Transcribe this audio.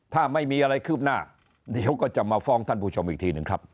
ถ้าไม่มีอะไรคืบหน้าเดี๋ยวก็จะมาฟ้องท่านผู้ชมอีกทีหนึ่งครับ